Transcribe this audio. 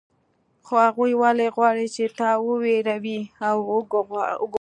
خو هغوی ولې غواړي چې تا وویروي او وګواښي